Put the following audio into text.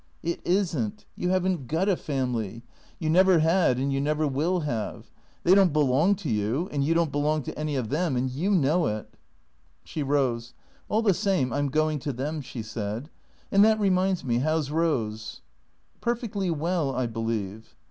"It isn't. You haven't got a family; you never had and you never will have. They don't belong to you, and you don't belong to any of them, and you know it " She rose. " All the same, I 'm going to them," she said. " And that reminds me, how 's Rose? "" Perfectly well, I believe."